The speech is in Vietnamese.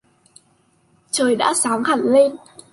Trời đã sáng lên hẳn